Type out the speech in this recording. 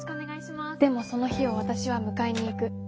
でも、その日を私は迎えに行く。